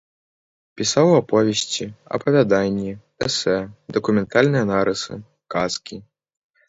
Пісаў аповесці, апавяданні, эсэ, дакументальныя нарысы, казкі.